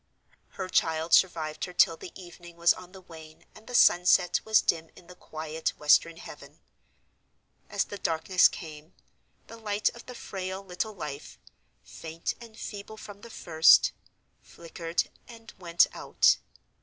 Her child survived her till the evening was on the wane and the sunset was dim in the quiet western heaven. As the darkness came, the light of the frail little life—faint and feeble from the first—flickered and went out.